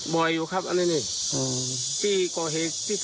บ่อยอยู่ครับอันนี้นี่